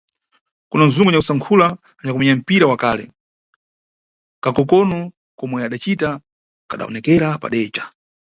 Kuna nzungu wa nyakusankhula anyakumenya mpira wa kale, kakokokono komwe adacita kadawonekera padeca.